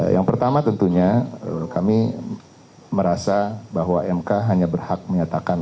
yang pertama tentunya kami merasa bahwa mk hanya berhak menyatakan